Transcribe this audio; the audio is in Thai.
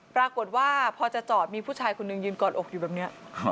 ปรากฏว่าพอจะจอดมีผู้ชายคนหนึ่งยืนกอดอกอยู่แบบนี้